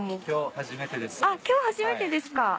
今日初めてですか。